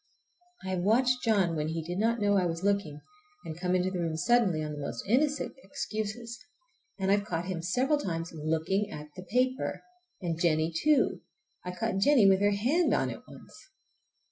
I have watched John when he did not know I was looking, and come into the room suddenly on the most innocent excuses, and I've caught him several times looking at the paper! And Jennie too. I caught Jennie with her hand on it once.